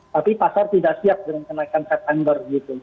tapi pasar tidak siap dengan kenaikan september